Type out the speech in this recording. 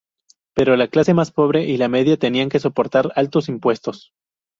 Pero la clase más pobre y la media tenían que soportar altos impuestos.